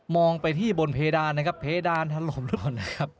องไปที่บนเพดานนะครับเพดานถล่มโดนนะครับ